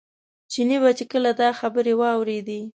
چیني به چې کله دا خبرې واورېدې.